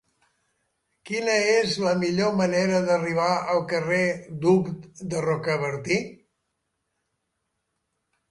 Quina és la millor manera d'arribar al carrer d'Hug de Rocabertí?